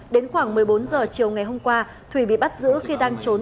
đến khoảng một mươi bốn h chiều ngày hôm qua thủy bị bắt giữ khi đang trốn